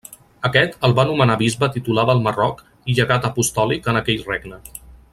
Aquest el va nomenar bisbe titular del Marroc i llegat apostòlic en aquell regne.